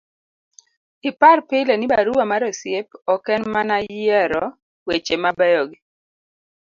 ipar pile ni barua mar osiep ok en mana yiero weche mabeyo gi